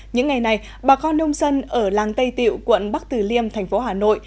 những ngày này bà con nông dân ở làng tây tiệu quận bắc từ liêm thành phố hà nội